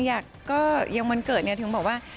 อยากก็ยังวันเกิดเนี่ยถึงบอกว่า